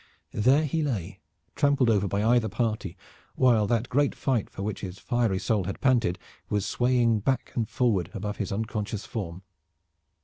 There he lay, trampled over by either party, while that great fight for which his fiery soul had panted was swaying back and forward above his unconscious form.